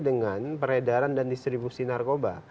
dengan peredaran dan distribusi narkoba